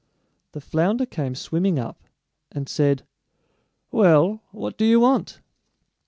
The flounder came swimming up, and said: "Well, what do you want?"